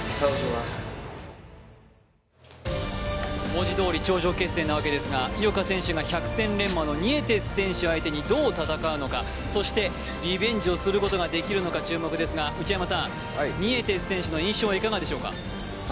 文字どおり頂上決戦のわけですが井岡選手が百戦錬磨のニエテス選手相手にどう戦うのか、そしてリベンジをすることができるのか注目ですがニエテス選手の印象はいかがでしょうか。